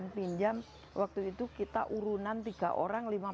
kita pinjam waktu itu kita urunan tiga orang